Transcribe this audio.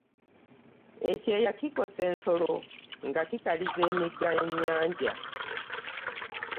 Ekyeya kikosa ensolo nga kikaliza emigga n'ennyanja.